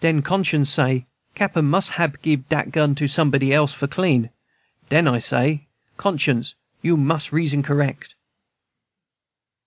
Den Conscience say, Cappen mus' hab gib dat gun to somebody else for clean. Den I say, Conscience, you reason correck."